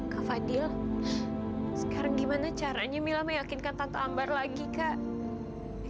kak fadil sekarang gimana caranya mila meyakinkan tanpa ambar lagi kak